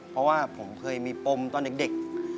เพราะว่าผมเคยมีปมตอนเด็ก